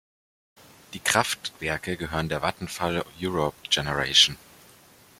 Die Kraftwerke gehören der Vattenfall Europe Generation.